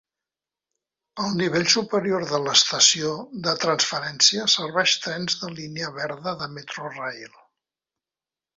El nivell superior de l'estació de transferència serveix trens de línia verda de Metrorail.